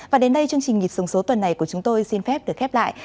và đến đây chương trình nhịp sống số tuần này của chúng tôi xin phép được khép lại